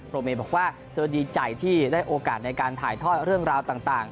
เมย์บอกว่าเธอดีใจที่ได้โอกาสในการถ่ายทอดเรื่องราวต่าง